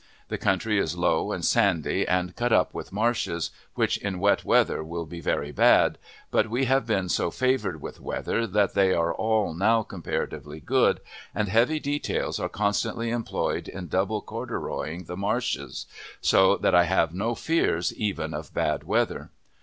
The country is low and sandy, and cut up with marshes, which in wet weather will be very bad, but we have been so favored with weather that they are all now comparatively good, and heavy details are constantly employed in double corduroying the marshes, so that I have no fears even of bad weather.